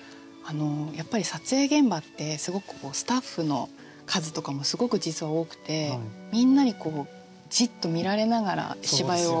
やっぱり撮影現場ってすごくスタッフの数とかもすごく実は多くてみんなにこうじっと見られながら芝居をしないと。